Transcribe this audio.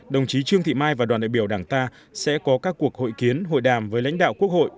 đồng chí trương thị mai và đoàn đại biểu đảng ta sẽ có các cuộc hội kiến hội đàm với lãnh đạo quốc hội